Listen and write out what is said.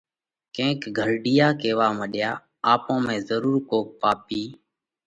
ڪينڪ گھرڍِيئا ڪيوا مڏيا: آپون ۾ ضرُور ڪوڪ پاپِي